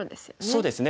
そうですね。